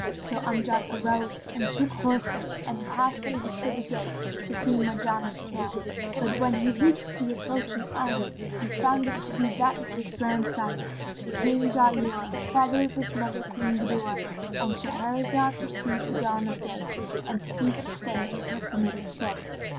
So Amjad arose and took horse and passed through the city gate to Queen Marjanah's camp; but when he reached the approaching army he found it to be that of his grand sire, King Ghayur, father of his mother Queen Budur.—And Shahrazad perceived the dawn of day and ceased saying her permitted say.